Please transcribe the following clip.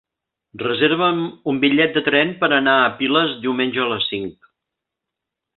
Reserva'm un bitllet de tren per anar a Piles diumenge a les cinc.